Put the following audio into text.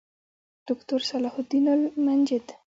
دوکتور صلاح الدین المنجد